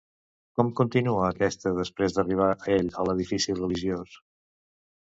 Com continua aquesta després d'arribar ell a l'edifici religiós?